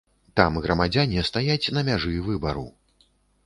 Там грамадзяне стаяць на мяжы выбару.